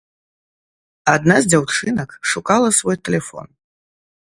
Адна з дзяўчынак шукала свой тэлефон.